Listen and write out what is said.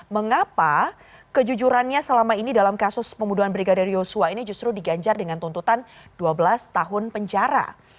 mengapa kejujurannya selama ini dalam kasus pembunuhan brigadir yosua ini justru diganjar dengan tuntutan dua belas tahun penjara